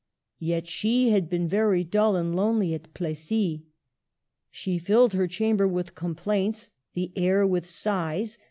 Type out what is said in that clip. Yet she had been very dull and lonely at Plessis. *' She filled her chamber with complaints ; the air with sighs.